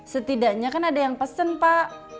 setidaknya kan ada yang pesen pak